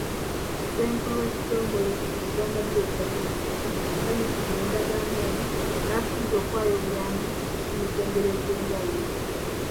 Ssenkulu w'ekitongole ki Uganda Bureau of Statistics, asanyukidde endagaano eno n'asuubiza okuwaayo obuyambi ku mitendera egy'enjawulo.